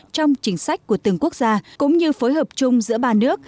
trong chính sách của từng quốc gia cũng như phối hợp chung giữa ba nước